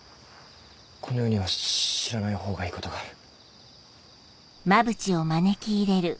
この世には知らないほうがいいことがある。